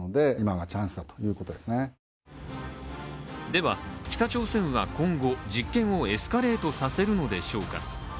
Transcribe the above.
では北朝鮮は、今後、実験をエスカレートさせるのでしょうか。